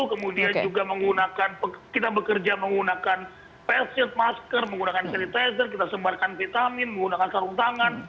kemudian juga menggunakan kita bekerja menggunakan passir masker menggunakan sanitizer kita sembarkan vitamin menggunakan sarung tangan